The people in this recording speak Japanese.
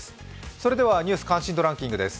それでは、「ニュース関心度ランキング」です。